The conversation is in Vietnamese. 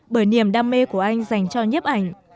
bởi niềm đam mê của anh dành cho nhiếp ảnh